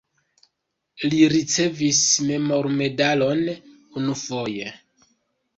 Li ricevis memormedalon unufoje.